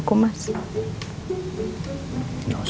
kamu ngeliatin aku mas